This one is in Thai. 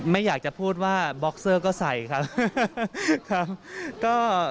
ไม่อยากจะพูดว่าบ็อกเซอร์ก็ใส่ครับ